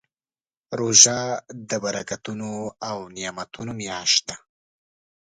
روژه د برکتونو او نعمتونو میاشت ده.